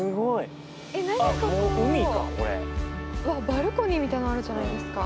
バルコニーみたいなのあるじゃないですか。